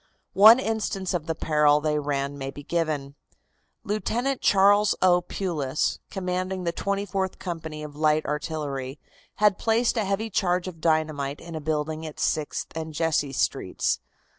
One instance of the peril they ran may be given. Lieutenant Charles O. Pulis, commanding the Twenty fourth Company of Light Artillery, had placed a heavy charge of dynamite in a building at Sixth and Jesse Streets.